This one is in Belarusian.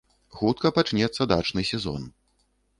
Хутка пачнецца дачны сезон.